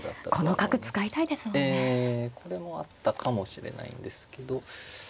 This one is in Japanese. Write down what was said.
ええこれもあったかもしれないんですけど。